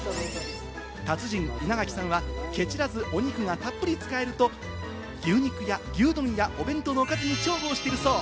達人・稲垣さんはケチらずお肉がたっぷり使えると、牛肉や牛丼や、お弁当のおかずに重宝しているそう。